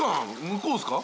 向こうっすか？